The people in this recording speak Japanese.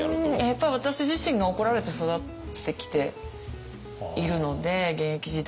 やっぱり私自身が怒られて育ってきているので現役時代